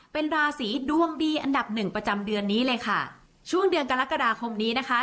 เป็นราศีดวงดีอันดับหนึ่งประจำเดือนนี้เลยค่ะช่วงเดือนกรกฎาคมนี้นะคะ